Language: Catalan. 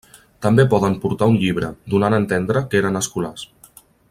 També poden portar un llibre, donant a entendre que eren escolars.